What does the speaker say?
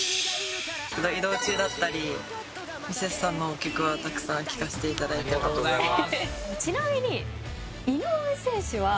移動中だったりミセスさんの曲は、たくさん聴かせていただいています。